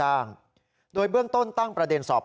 แล้วก็เรื่องการเมืองครับ